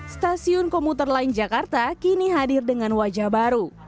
stasiun komuter lain jakarta kini hadir dengan wajah baru